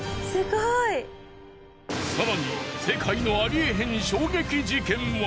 更に世界のありえへん衝撃事件は？